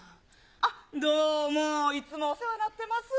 あっ、どうも、いつもお世話になってます。